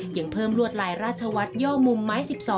ยังเพิ่มลวดลายราชวัตรย่อมุมไม้๑๒